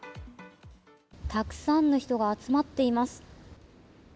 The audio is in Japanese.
たくさんの人が集まっています。